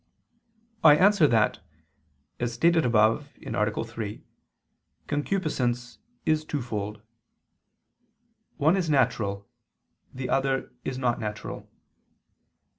I answer that, As stated above (A. 3), concupiscence is twofold; one is natural, the other is not natural.